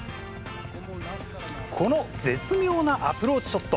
この絶妙なアプローチショット。